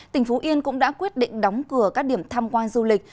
tỉnh phú yên cũng đã quyết định đóng cửa các điểm tham quan du lịch